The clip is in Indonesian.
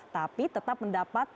tapi tetap mendapat